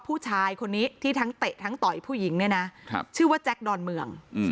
ผู้ชายคนนี้ที่ทั้งเตะทั้งต่อยผู้หญิงเนี่ยนะชื่อว่าแจ็คดอนเมือง